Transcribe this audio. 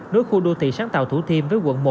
nối khu đô thị sáng tạo thủ thiêm với quận một